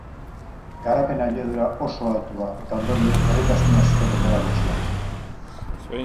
Garapen abiadura oso altua, eta ondorioz berritasun asko denbora gutxian.